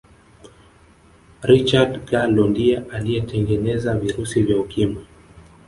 richard gallo ndiye aliyetengeneza virusi vya ukimwi